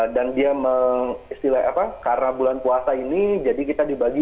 dan dia mengistilahkan karena bulan puasa ini jadi kita dibagi